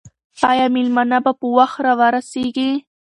آیا مېلمانه به په وخت راورسېږي؟